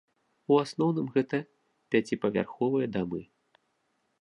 У асноўным гэта пяціпавярховыя дамы.